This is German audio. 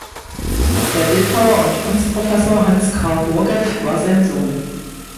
Der Bildhauer und Kunstprofessor Hans Karl Burgeff war sein Sohn.